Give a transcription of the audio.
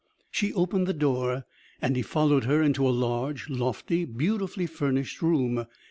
She opened the door, and he followed her into a large, lofty, beautifully furnished room.